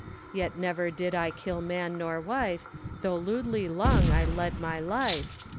Yet never did I kil man nor wife, Though lewdly long I led my life.